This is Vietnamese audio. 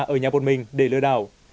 ở nhà bọn mình để lừa đảo